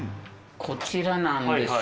こちらなんです。